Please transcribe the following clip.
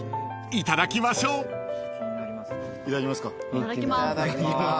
いただきます。